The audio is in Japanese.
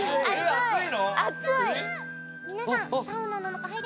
熱い！